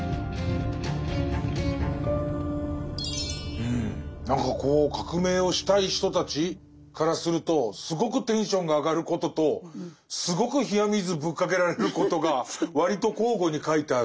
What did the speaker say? うん何かこう革命をしたい人たちからするとすごくテンションが上がることとすごく冷や水ぶっかけられることが割と交互に書いてある。